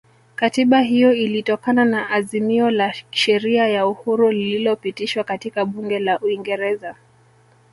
Katiba hiyo ilitokana na azimio la sheria ya uhuru lililopitishwa katika bunge la uingereza